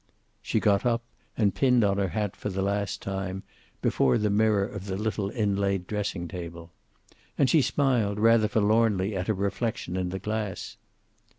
She got up and pinned on her hat for the last time, before the mirror of the little inlaid dressing table. And she smiled rather forlornly at her reflection in the glass.